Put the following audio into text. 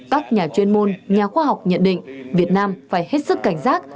các nhà chuyên môn nhà khoa học nhận định việt nam phải hết sức cảnh giác